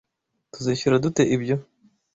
Tuzishyura dute ibyo?